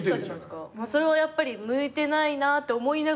それはやっぱり向いてないなって思いながら。